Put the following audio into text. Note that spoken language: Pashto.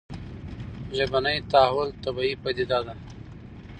ژبني تحول طبیعي پديده ده